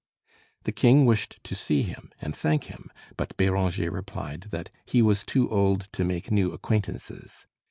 The king wished to see him and thank him, but Béranger replied that "he was too old to make new acquaintances."